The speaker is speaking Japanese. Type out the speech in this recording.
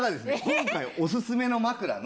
今回おすすめの枕の。